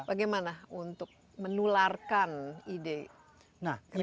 bagaimana untuk menularkan ide kreatif ini